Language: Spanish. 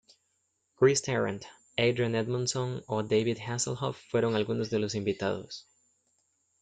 Chris Tarrant, Adrian Edmonson o David Hasselhoff fueron algunos de los invitados.